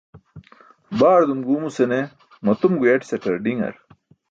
Baardum guumuse ne matum guyaṭisaṭar diṅar.